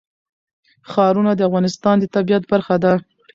ښارونه د افغانستان د طبیعت برخه ده.